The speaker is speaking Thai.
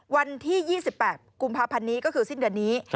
วันที่๒๘กุมภาพันธ์นี้ก็คือสิ้นเดือนนี้